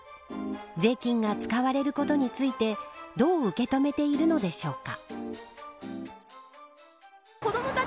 税金が使われることについてどう受け止めているのでしょうか。